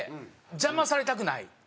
邪魔されたくない。